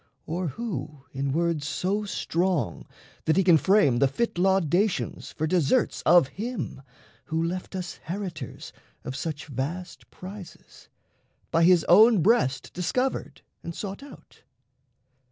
Or who in words so strong that he can frame The fit laudations for deserts of him Who left us heritors of such vast prizes, By his own breast discovered and sought out?